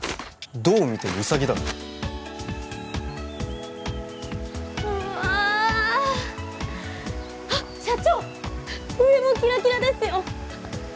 どう見てもウサギだろうーわーあっ社長上もキラキラですよ